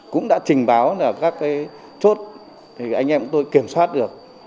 cũng đã trình báo là các cái chốt thì anh em tôi kiểm soát được